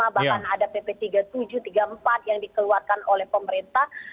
bahkan ada pp tiga puluh tujuh tiga puluh empat yang dikeluarkan oleh pemerintah